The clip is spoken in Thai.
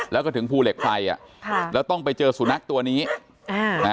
แล้วก็ถึงภูเหล็กไฟอ่ะค่ะแล้วต้องไปเจอสุนัขตัวนี้อ่านะ